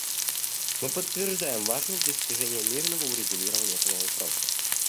Мы подтверждаем важность достижения мирного урегулирования этого вопроса.